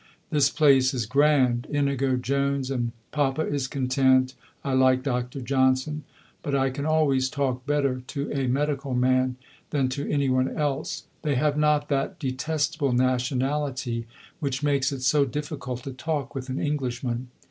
This place is grand Inigo Jones, and Papa is content.... I like Dr. Johnson; but I can always talk better to a medical man than to any one else. They have not that detestable nationality which makes it so difficult to talk with an Englishman.